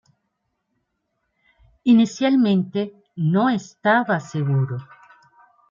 Inicialmente, no estaba seguro.